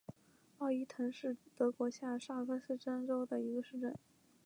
奥伊滕是德国下萨克森州的一个市镇。